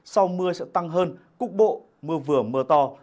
sau mưa sẽ tăng hơn cục bộ mưa vừa mưa to